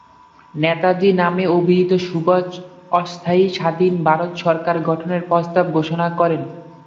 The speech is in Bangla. ‘নেতাজী’ নামে অভিহিত সুভাষ অস্থায়ী স্বাধীন ভারত সরকার গঠনের প্রস্তাব ঘোষণা করেন।